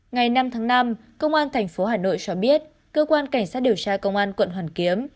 ngày năm tháng năm công an tp hà nội cho biết cơ quan cảnh sát điều tra công an quận hoàn kiếm